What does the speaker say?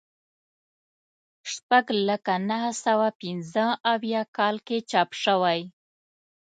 شپږ لکه نهه سوه پنځه اویا کال کې چاپ شوی.